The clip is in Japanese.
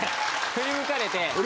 振り向かれて？